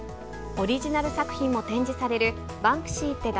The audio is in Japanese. オリジナル作品も展示されるバンクシーって誰？